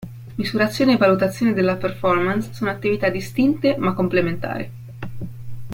Misurazione e valutazione della performance sono attività distinte ma complementari.